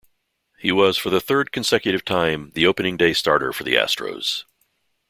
He was for the third consecutive time, the opening day starter for the Astros.